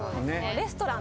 レストラン！